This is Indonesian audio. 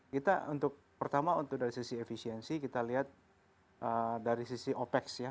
kita untuk pertama untuk dari sisi efisiensi kita lihat dari sisi opex ya